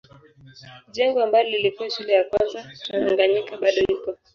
Jengo ambalo lilikuwa shule ya kwanza Tanganyika bado iko.